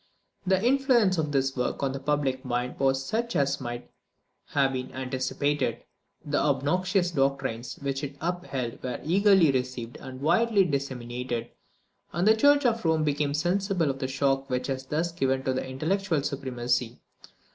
The influence of this work on the public mind was such as might have been anticipated. The obnoxious doctrines which it upheld were eagerly received, and widely disseminated; and the church of Rome became sensible of the shock which was thus given to its intellectual supremacy.